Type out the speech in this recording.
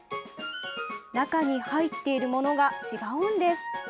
中に入っている物が違うんです。